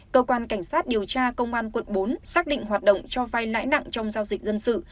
cơ quan cảnh sát điều tra công an quận bốn xác định hoạt động cho vai lãi nặng trong giao dịch dân sự